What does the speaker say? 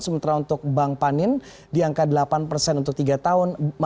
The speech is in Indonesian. sementara untuk bank panin di angka delapan persen untuk tiga tahun